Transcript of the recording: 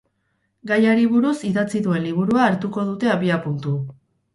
Gaiari buruz idatzi duen liburua hartuko dute abiapuntu.